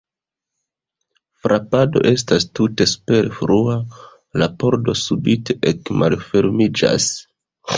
Frapado estas tute superflua, la pordo subite ekmalfermiĝas.